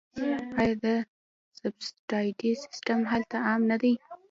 آیا د سبسایډي سیستم هلته عام نه دی؟